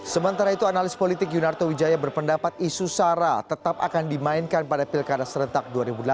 sementara itu analis politik yunarto wijaya berpendapat isu sara tetap akan dimainkan pada pilkada serentak dua ribu delapan belas